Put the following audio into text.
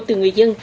từ người dân